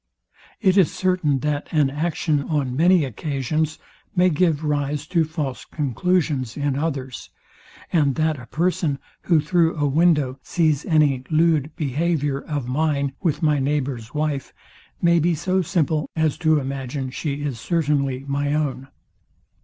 It is certain, that an action, on many occasions, may give rise to false conclusions in others; and that a person, who through a window sees any lewd behaviour of mine with my neighbour's wife, may be so simple as to imagine she is certainly my own.